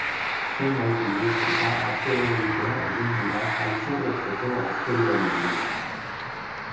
Zenbait indusketa arkeologiko egin dira Aitzorrotzeko gazteluari buruz.